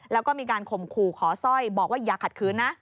แล้วก็มีการข่มขู่ขอสร้อยบอกว่าอย่าขัดขืนนะ